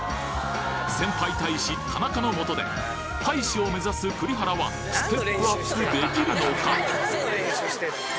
先輩大使田中のもとで大使を目指す栗原はステップアップできるのか！？